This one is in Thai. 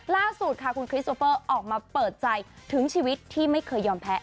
ล่าสุดค่ะคุณคริสโอเปอร์ออกมาเปิดใจถึงชีวิตที่ไม่เคยยอมแพ้